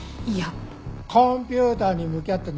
コンピューターに向き合ってんの飽きた。